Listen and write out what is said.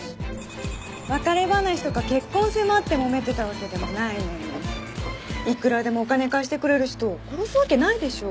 別れ話とか結婚迫ってもめてたわけでもないのにいくらでもお金貸してくれる人殺すわけないでしょ。